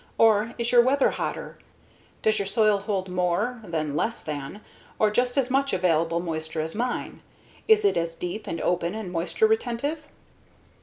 Or is your weather hotter? Does your soil hold more, than less than, or just as much available moisture as mine? Is it as deep and open and moisture retentive?